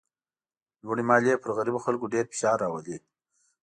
لوړې مالیې پر غریبو خلکو ډېر فشار راولي.